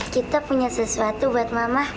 kita punya sesuatu buat mama